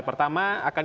apa dua voting